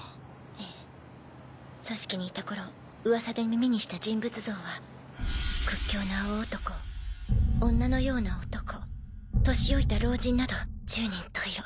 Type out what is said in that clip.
ええ「組織」にいた頃噂で耳にした人物像は屈強な大男女のような男年老いた老人など十人十色。